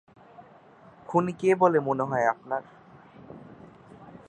খুনি কে বলে মনে হয় আপনার?